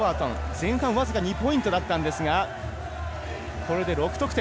前半僅か２ポイントだったんですがこれで６得点。